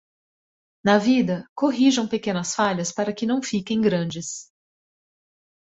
Na vida, corrijam pequenas falhas para que não fiquem grandes.